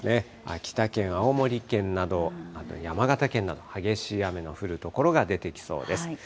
秋田県、青森県など、あと山形県など、激しい雨の降る所が出てきそうです。